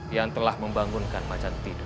yang telah membangunkan macan tidur